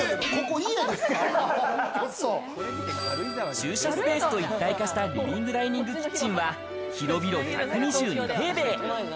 駐車スペースと一体化したリビングダイニングキッチンは広々１２２平米。